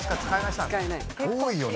多いよね？